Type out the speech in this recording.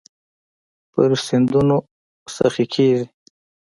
پر سیندونو سخي کیږې